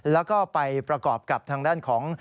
แล้วก็ไปประกอบกับทางด้านของ